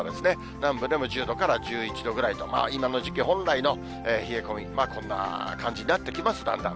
南部でも１０度から１１度ぐらいと、まあ今の時期本来の冷え込み、こんな感じになってきます、だんだん。